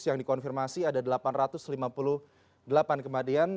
yang dikonfirmasi ada delapan ratus lima puluh delapan kematian